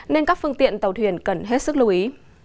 nên các phương tiện tàu thuyền cần hết sức lưu ý